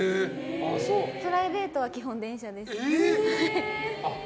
プライベートは基本電車です。